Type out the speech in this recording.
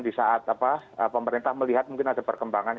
di saat pemerintah melihat mungkin ada perkembangan